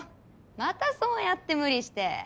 「またそうやって無理して。